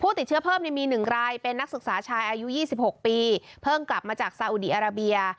ติดเชื้อเพิ่มมี๑รายเป็นนักศึกษาชายอายุ๒๖ปีเพิ่งกลับมาจากซาอุดีอาราเบีย